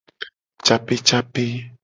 Capecape.